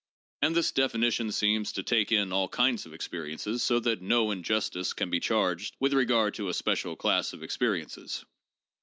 And this definition seems to take in all kinds of experiences, so that no injustice can be charged with regard to a special class of experiences.